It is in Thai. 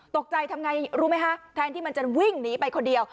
ตกใจทำไงรู้ไหมคะแทนที่มันจะวิ่งหนีไปคนเดียว